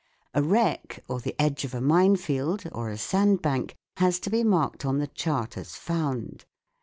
A wreck, or the edge of a mine field, or a sandbank has to be marked on the chart SOUND IN WAR 193 as found.